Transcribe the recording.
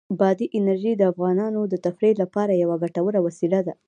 بادي انرژي د افغانانو د تفریح لپاره یوه ګټوره وسیله ده.